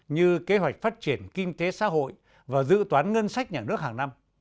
như kế hoạch phát triển kinh tế xã hội và dự toán ngân sách nhà nước hàng năm